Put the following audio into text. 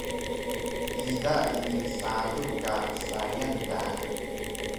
ida ini salu ka sayang da